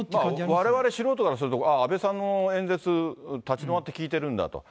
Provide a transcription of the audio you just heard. われわれ素人からすると、ああ、安倍さんの演説、立ち止まって聞いてるんだと。